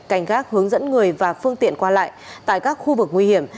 cảnh gác hướng dẫn người và phương tiện qua lại tại các khu vực nguy hiểm